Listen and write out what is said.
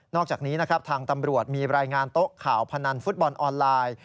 อกจากนี้นะครับทางตำรวจมีรายงานโต๊ะข่าวพนันฟุตบอลออนไลน์